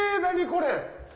何これ。